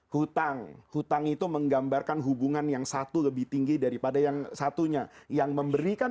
hutang hutang itu menggambarkan hubungan yang satu lebih tinggi daripada yang satunya yang memberikan